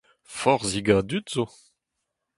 Forzhik a dud zo.